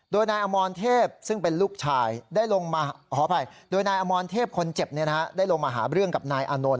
โดยนายอมรเทพคนเจ็บได้ลงมาหาเรื่องกับนายอานนล์